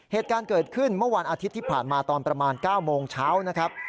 เหตุการณ์เกิดขึ้นเมื่อวันอาทิตย์ที่ผ่านมาตอนประมาณ๙โมงเช้านะครับ